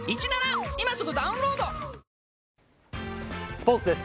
スポーツです。